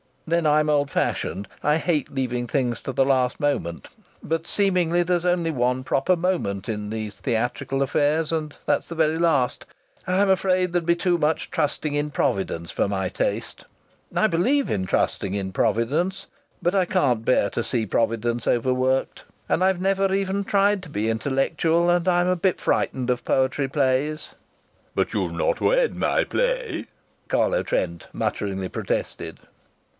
Then I'm old fashioned. I hate leaving things to the last moment; but seemingly there's only one proper moment in these theatrical affairs, and that's the very last. I'm afraid there'd be too much trusting in providence for my taste. I believe in trusting in providence, but I can't bear to see providence overworked. And I've never even tried to be intellectual, and I'm a bit frightened of poetry plays " "But you've not read my play!" Carlo Trent mutteringly protested.